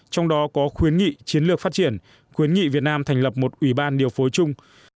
trong đó có khuyến nghị chiến lược phát triển khuyến nghị việt nam thành lập một ủy ban điều phối chung